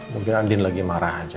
mungkin andin lagi marah aja